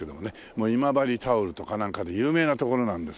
もう今治タオルとかなんかで有名な所なんですが。